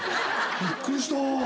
びっくりした。